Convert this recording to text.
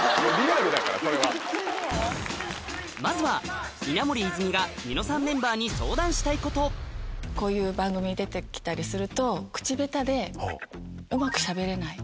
まずはニノさんメンバーにこういう番組出てきたりすると口下手でうまくしゃべれない。